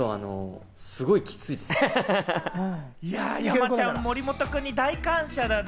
山ちゃん、森本くんに大感謝だね。